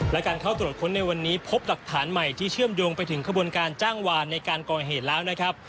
รายการเข้าตรวจค้นในวันนี้พบดักฐานใหม่ที่เชื่อมโดงไปถึงขบวนการก่อเหตุแล้วนะครับ